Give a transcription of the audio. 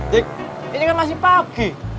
ini kan masih pagi